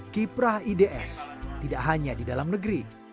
kiprah ids tidak hanya di dalam negeri